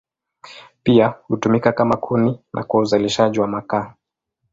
Pia hutumika kama kuni na kwa uzalishaji wa makaa.